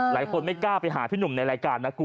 หลายคนไม่กล้าไปหาพี่หนุ่มในรายการน่ากลัว